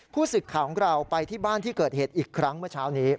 สึกข่าวของเราไปที่บ้านที่เกิดเหตุอีกครั้งเมื่อเช้านี้